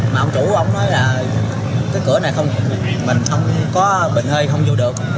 mà ông chủ ông nói là cái cửa này mình có bệnh hơi không vô được